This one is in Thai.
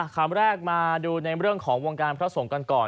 คาวเมื่อแลกมาดูในเรื่องของวงการพระสมกันก่อน